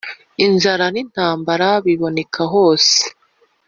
Inzara n'intambara biboneka hose